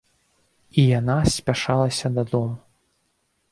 І яна спяшалася дадому.